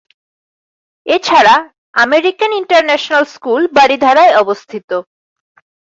এছাড়া American international school বারিধারায় অবস্থিত।